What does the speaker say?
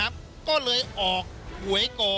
ก็เลยออกหวยก่อ